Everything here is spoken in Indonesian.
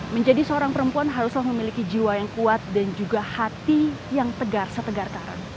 menjadi seorang perempuan haruslah memiliki jiwa yang kuat dan juga hati yang tegar setegar karang